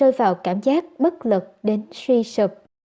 rơi vào cảm giác bất lực đến suy sụp